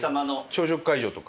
朝食会場とか？